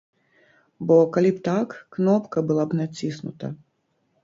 Бо калі б так, кнопка была б націснута.